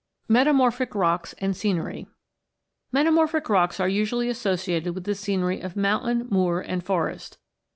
METAMORPHIO ROCKS AND SCENERY Metamorphic rocks are usually associated with the scenery of mountain, moor, and forest.